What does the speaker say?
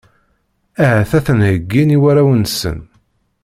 Ahat ad ten-heyyin i warraw-nsen.